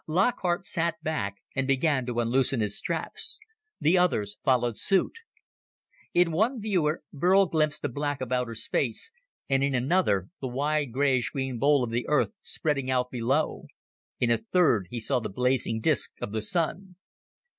Lockhart sat back and began to unloosen his straps. The others followed suit. In one viewer, Burl glimpsed the black of outer space, and in another, the wide grayish green bowl of the Earth spreading out below. In a third he saw the blazing disc of the Sun.